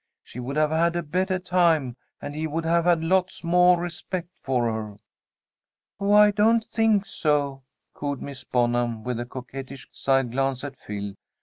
She would have had a bettah time and he would have had lots moah respect for her." "Oh, I don't think so," cooed Miss Bonham, with a coquettish side glance at Phil.